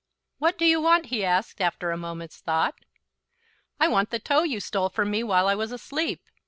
"What do you want?" he asked, after a moment's thought. "I want the toe you stole from me while I was asleep."